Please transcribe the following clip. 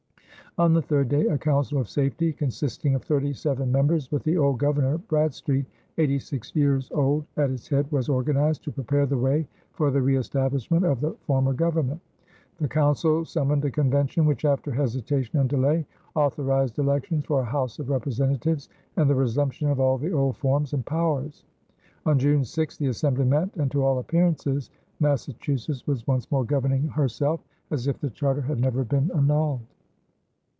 On the third day a council of safety, consisting of thirty seven members, with the old Governor, Bradstreet, eighty six years old, at its head, was organized to prepare the way for the reëstablishment of the former Government. The council summoned a convention which, after hesitation and delay, authorized elections for a House of Representatives and the resumption of all the old forms and powers. On June 6, the assembly met, and to all appearances Massachusetts was once more governing herself as if the charter had never been annulled.